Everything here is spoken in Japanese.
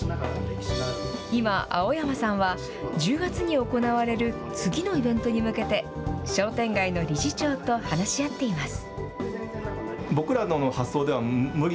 今、青山さんは、１０月に行われる次のイベントに向けて、商店街の理事長と話し合っています。